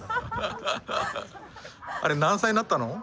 あれ何歳になったの？